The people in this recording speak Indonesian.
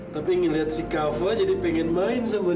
tapi ngeliat si kava jadi pengen main sama